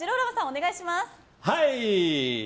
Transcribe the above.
お願いします。